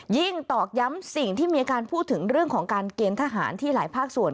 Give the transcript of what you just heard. ตอกย้ำสิ่งที่มีการพูดถึงเรื่องของการเกณฑ์ทหารที่หลายภาคส่วน